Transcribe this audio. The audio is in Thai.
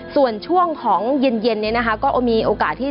ส่วนช่วงของเย็นก็มีโอกาสที่